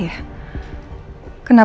masuk ke rumah